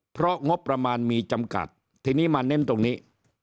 เพราะงบประมาณมีจำกัดทีนี้มาเน้นตรงนี้